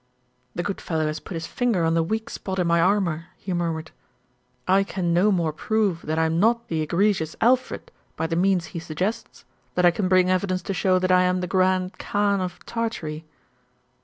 "The good fellow has put his finger on the weak spot in my armour," he murmured. "I can no more prove that I am not the egregious Alfred by the means he suggests, than I can bring evidence to show that I am the Grand Khan of Tartary."